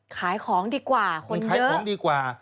ขายของดีกว่าคนขายของดีกว่า